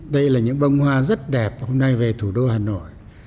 đây là những bông hoa rất đẹp hôm nay về thủ đô hà nội